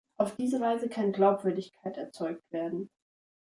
Auf diese Weise kann Glaubwürdigkeit erzeugt werden.